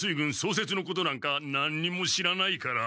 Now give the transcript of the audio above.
せつのことなんか何にも知らないから。